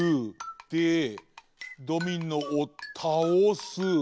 でドミノをたおす。